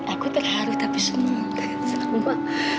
aku terharu tapi senyum sama